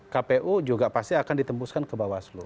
kpu juga pasti akan ditembuskan ke bawah seluruh